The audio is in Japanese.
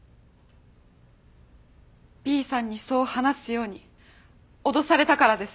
Ｂさんにそう話すように脅されたからです。